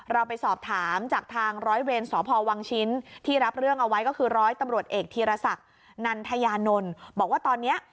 เราไปสอบถามจากทางร้อยเวรสพวังชิ้นที่รับเรื่องเอาไว้ก็คือร้อยตำรวจเอกธีรศักดิ์นันทยานนท์บอกว่าตอนนี้